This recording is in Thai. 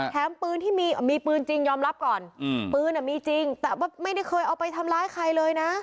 แถมปืนที่มีปืนจริงยอมรับก่อนปืนมีจริงแต่ว่าไม่ได้เคยเอาไปทำร้ายใครเลยนะ